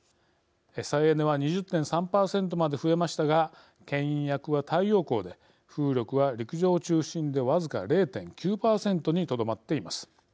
再エネは２０．３％まで増えましたがけん引役は太陽光で風力は陸上中心で僅か０．９％にとどまっています。